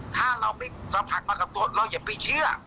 ถ้าเราไปสัมผัสมากับตัวเราอย่าไปเชื่อ